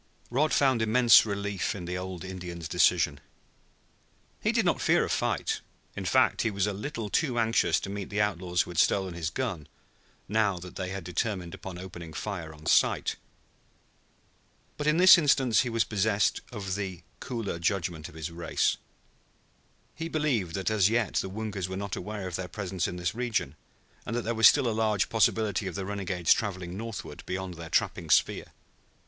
Rod found immense relief in the old Indian's decision. He did not fear a fight; in fact, he was a little too anxious to meet the outlaws who had stolen his gun, now that they had determined upon opening fire on sight. But in this instance he was possessed of the cooler judgment of his race. He believed that as yet the Woongas were not aware of their presence in this region, and that there was still a large possibility of the renegades traveling northward beyond their trapping sphere.